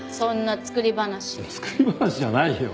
作り話じゃないよ。